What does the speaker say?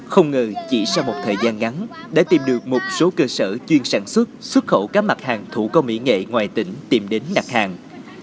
không ngờ chỉ sau một thời gian ngắn đã tìm được một số cơ sở chuyên sản xuất xuất khẩu các mặt hàng thủ công mỹ nghệ ngoài tỉnh tìm đến đặt hàng